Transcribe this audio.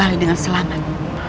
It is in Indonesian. kembali dengan selamat